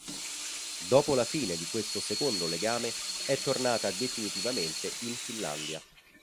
Dopo la fine di questo secondo legame è tornata definitivamente in Finlandia.